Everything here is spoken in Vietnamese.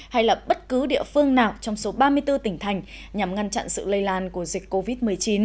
hay là bất cứ địa phương nào trong số ba mươi bốn tỉnh thành nhằm ngăn chặn sự lây lan của dịch covid một mươi chín